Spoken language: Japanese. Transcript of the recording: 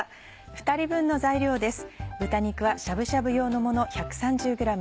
２人分の材料です。